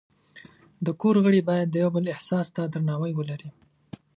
د کور غړي باید د یو بل احساس ته درناوی ولري.